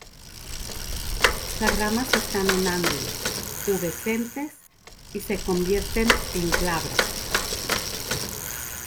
Las ramas están en ángulo, pubescentes y se convierten en glabras.